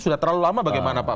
sudah terlalu lama bagaimana pak